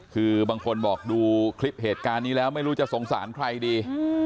คือบางคนบอกดูคลิปเหตุการณ์นี้แล้วไม่รู้จะสงสารใครดี